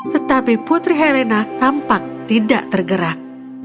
tetapi putri helena tampak tidak tergerak